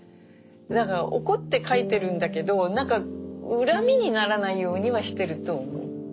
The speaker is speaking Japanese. だから怒って書いてるんだけど恨みにならないようにはしてると思う。